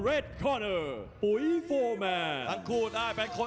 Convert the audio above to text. ประโยชน์ทอตอร์จานแสนชัยกับยานิลลาลีนี่ครับ